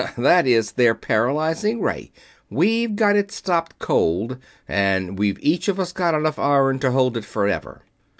"That is their paralyzing ray, we've got it stopped cold, and we've each got enough iron to hold it forever."